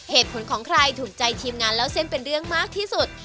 ของใครถูกใจทีมงานเล่าเส้นเป็นเรื่องมากที่สุด